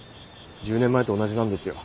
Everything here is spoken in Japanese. １０年前と同じなんですよ